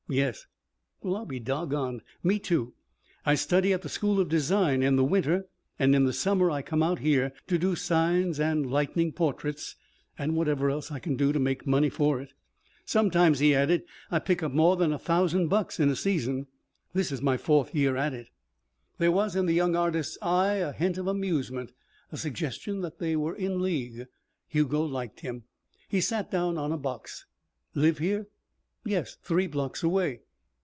"Yes." "Well, I'll be doggoned. Me, too. I study at the School of Design in the winter, and in the summer I come out here to do signs and lightning portraits and whatever else I can to make the money for it. Sometimes," he added, "I pick up more than a thousand bucks in a season. This is my fourth year at it." There was in the young artist's eye a hint of amusement, a suggestion that they were in league. Hugo liked him. He sat down on a box. "Live here?" "Yes. Three blocks away."